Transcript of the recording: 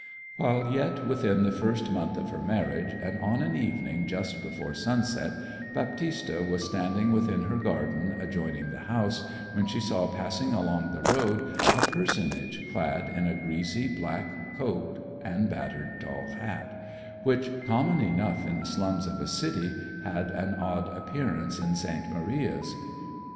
While yet within the first month of her marriage, and on an evening just before sunset, Baptista was standing within her garden adjoining the house, when she saw passing along the road a personage clad in a greasy black coat and battered tall hat, which, common enough in the slums of a city, had an odd appearance in St. Maria's.